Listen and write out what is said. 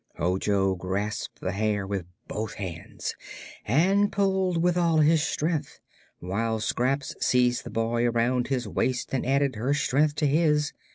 Ojo grasped the hair with both hands and pulled with all his strength, while Scraps seized the boy around his waist and added her strength to his.